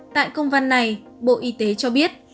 tại công văn này bộ y tế cho biết